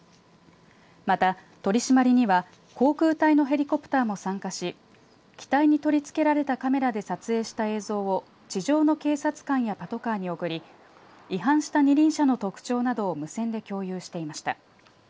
また、取締りには航空隊のヘリコプターにも参加し機体に取り付けられたカメラで撮影した映像を地上の警察官やパトカーに送り違反した二輪車の特徴などを無線で共有していました。